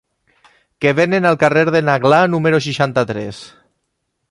Què venen al carrer de n'Aglà número seixanta-tres?